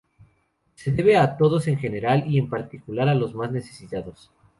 Se debe a todos en general y en particular a los más necesitados.